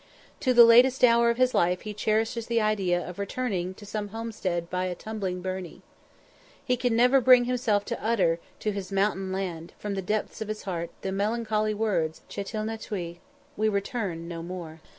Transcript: To the latest hour of his life he cherishes the idea of returning to some homestead by a tumbling burnie. He never can bring himself to utter to his mountain land, from the depths of his heart, the melancholy words, "Che til na tuille." [Footnote: "We return no more."